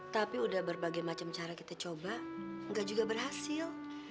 tapi udah berbagai macam cara kita coba nggak juga berhasil